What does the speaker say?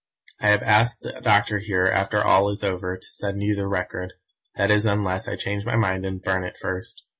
I have asked the doctor here, after all is over, to send you the Record, that is unless I change my mind and burn it first.